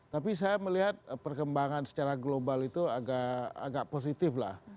tapi saya melihat perkembangan secara global itu agak positif lah